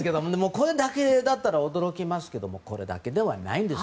これだけでも驚きますけれどもこれだけではないんです。